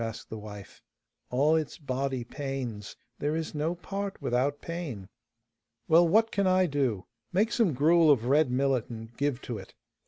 asked the wife. 'All its body pains; there is no part without pain.' 'Well, what can I do? Make some gruel of red millet, and give to it.